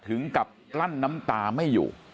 ถึงกับกลั้นน้ำตาไม่อยู่